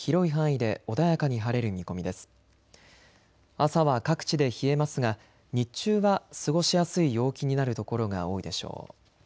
朝は各地で冷えますが日中は過ごしやすい陽気になる所が多いでしょう。